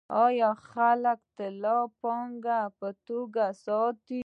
آیا خلک طلا د پانګې په توګه ساتي؟